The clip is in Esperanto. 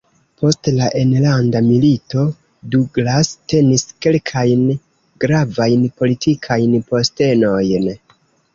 Post la Enlanda Milito, Douglass tenis kelkajn gravajn politikajn postenojn.